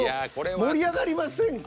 盛り上がりませんか？